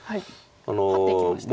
ハッていきましたよね。